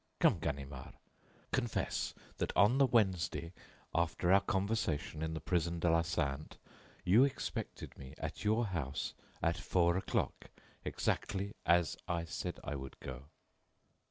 "Come, Ganimard, confess that on the Wednesday after our conversation in the prison de la Santé, you expected me at your house at four o'clock, exactly as I said I would go."